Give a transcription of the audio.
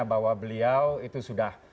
bahwa beliau itu sudah